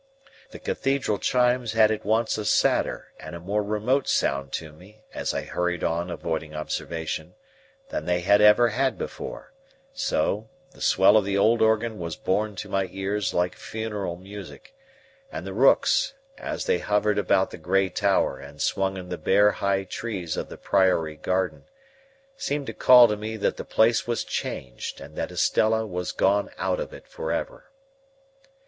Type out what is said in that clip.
The cathedral chimes had at once a sadder and a more remote sound to me, as I hurried on avoiding observation, than they had ever had before; so, the swell of the old organ was borne to my ears like funeral music; and the rooks, as they hovered about the grey tower and swung in the bare high trees of the priory garden, seemed to call to me that the place was changed, and that Estella was gone out of it for ever.